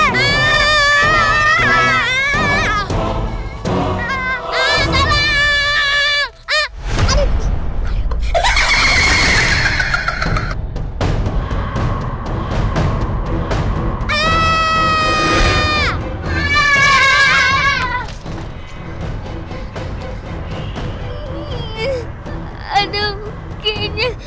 semuanya tahan ya